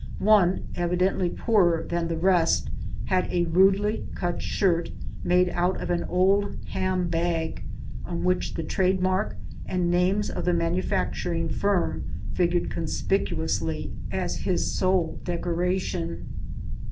One, evi dently poorer than the rest, had a rudely cut shirt made* out of an old ham bag, on which the trade mark and name of the manufacturing firm figured conspicuously as his sole decoration.